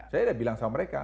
saya udah bilang sama mereka